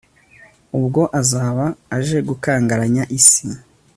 ubwo azaba aje gukangaranya isi